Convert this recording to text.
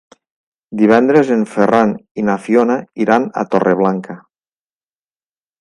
Divendres en Ferran i na Fiona iran a Torreblanca.